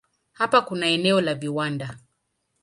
Hapa kuna eneo la viwanda.